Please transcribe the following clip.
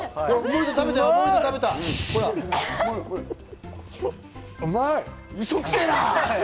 うまい！